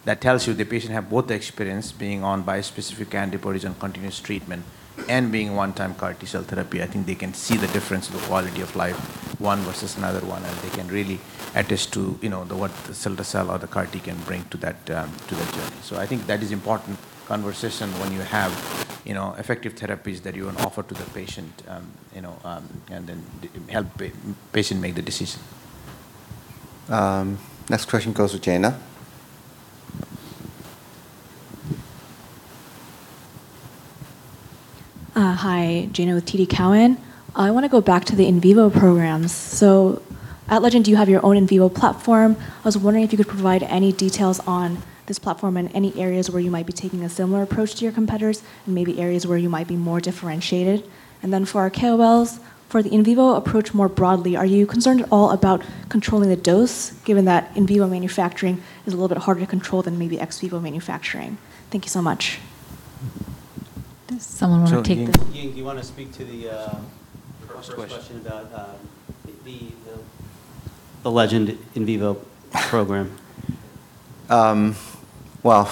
that tells you the patient have both the experience being on bispecific antibodies on continuous treatment and being one-time CAR T-cell therapy. I think they can see the difference in the quality of life, one versus another one, and they can really attest to what the cilta-cel or the CAR T can bring to that journey. I think that is important conversation when you have effective therapies that you will offer to the patient, and then help patient make the decision. Next question goes to Jayna. Hi. Jayna with TD Cowen. I want to go back to the in vivo programs. At Legend, you have your own in vivo platform. I was wondering if you could provide any details on this platform and any areas where you might be taking a similar approach to your competitors, and maybe areas where you might be more differentiated. For our KOLs, for the in vivo approach more broadly, are you concerned at all about controlling the dose, given that in vivo manufacturing is a little bit harder to control than maybe ex vivo manufacturing? Thank you so much. Does someone want to take this? Ying, do you want to speak to the first question about the Legend in vivo program? Well,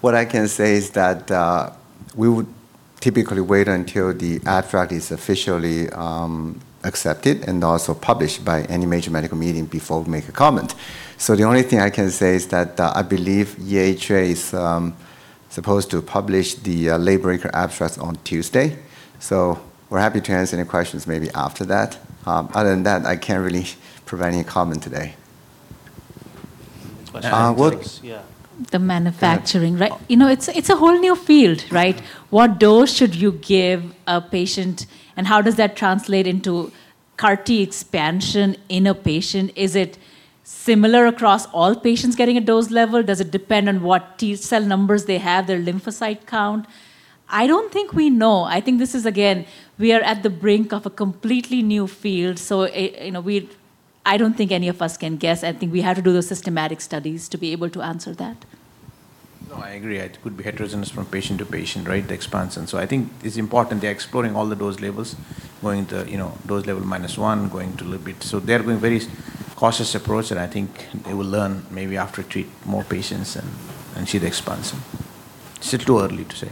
what I can say is that we would typically wait until the abstract is officially accepted and also published by any major medical meeting before we make a comment. The only thing I can say is that I believe EHA is supposed to publish the late-breaking abstract on Tuesday. We're happy to answer any questions maybe after that. Other than that, I can't really provide any comment today. Next question. The manufacturing, right? It's a whole new field, right? What dose should you give a patient, and how does that translate into CAR T expansion in a patient? Is it similar across all patients getting a dose level? Does it depend on what T-cell numbers they have, their lymphocyte count? I don't think we know. I think this is, again, we are at the brink of a completely new field. I don't think any of us can guess. I think we have to do those systematic studies to be able to answer that. No, I agree. It could be heterogeneous from patient to patient, right, the expansion. I think it's important they're exploring all the dose levels, going to dose level minus 1, going to a little bit. They're going very cautious approach, and I think they will learn maybe after treat more patients and see the expansion. Still too early to say.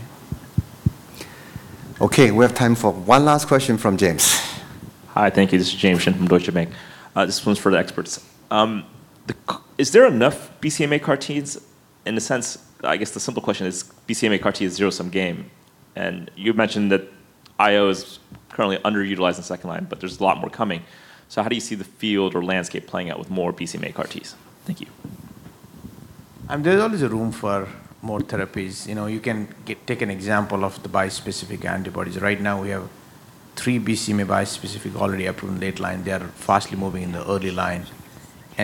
Okay, we have time for one last question from James. Hi, thank you. This is James Shin from Deutsche Bank. This one's for the experts. Is there enough BCMA CAR Ts? In a sense, I guess the simple question is, BCMA CAR T is zero-sum game, and you've mentioned that IO is currently underutilized in second line, but there's a lot more coming. How do you see the field or landscape playing out with more BCMA CAR Ts? Thank you. There's always room for more therapies. You can take an example of the bispecific antibodies. Right now, we have three BCMA bispecific already approved late line. They are fastly moving in the early line.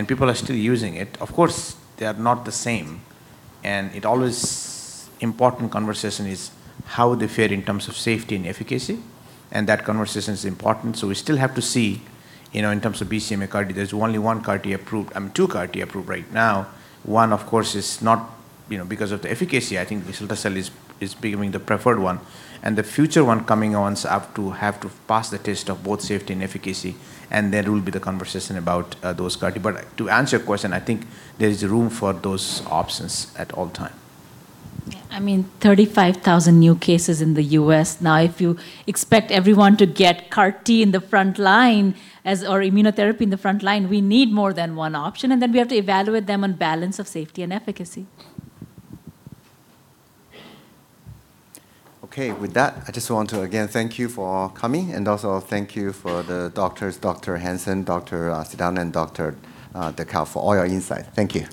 People are still using it. Of course, they are not the same. It always important conversation is how they fare in terms of safety and efficacy. That conversation is important. We still have to see in terms of BCMA CAR T. There's only one CAR T approved, two CAR T approved right now. One, of course, is not because of the efficacy. I think the cilta-cel is becoming the preferred one. The future one coming on have to pass the test of both safety and efficacy. Then will be the conversation about those CAR T. To answer your question, I think there is room for those options at all time. Yeah. 35,000 new cases in the U.S. Now, if you expect everyone to get CAR T in the front line or immunotherapy in the front line, we need more than one option, we have to evaluate them on balance of safety and efficacy. Okay. With that, I just want to, again, thank you for coming, and also thank you for the doctors, Dr. Hansen, Dr. Sidana, and Dr. Dhakal, for all your insight. Thank you.